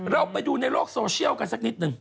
เราไปดูในโลกโซเชียลกันสักนิดนึง